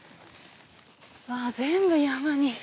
わあ全部山に。